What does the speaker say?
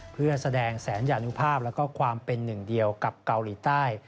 เพื่อแสดงแสนยานุภาพและความเป็นหนึ่งเดียวกับเกาหลีใต้